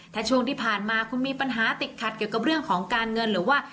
ถ้าช่วงที่ผ่านมาคุณมีปัญหาติดขัดเกี่ยวกับเรื่องของการเงินหรือว่า